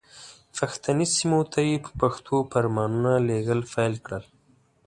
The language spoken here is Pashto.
پښتني سیمو ته یې په پښتو فرمانونه لېږل پیل کړل.